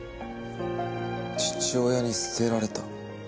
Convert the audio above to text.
父親に捨てられた？